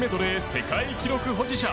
世界記録保持者